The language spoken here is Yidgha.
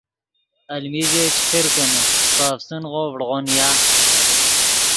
المی ژے چے کرکینے پے افسنغو ڤڑغو نیا